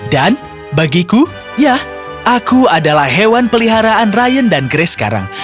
dan bagiku ya aku adalah hewan peliharaan ryan dan grace sekarang